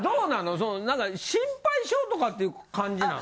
その何か心配性とかっていう感じなの？